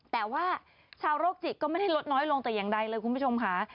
แต่ว่าชาวโรคจิตก็ไม่ได้ลดน้อยลงแต่อย่างใดเลยคุณผู้ชมค่ะ